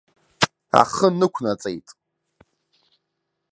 Ахы нықәнаҵеит.